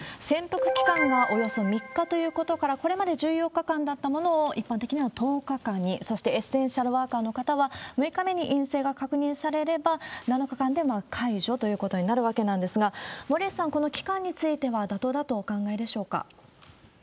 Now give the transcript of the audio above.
潜伏期間がおよそ３日ということから、これまで１４日間だったものを、一般的には１０日間に、そしてエッセンシャルワーカーの方は、６日目に陰性が確認されれば、７日間で解除ということになるわけなんですが、森内さん、この期間については妥当だとお考えでしょうか。